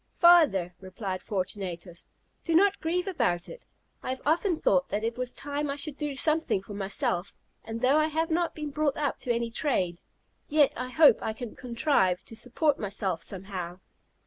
"Father," replied Fortunatus, "do not grieve about it. I have often thought that it was time I should do something for myself; and though I have not been brought up to any trade, yet I hope I can contrive to support myself somehow."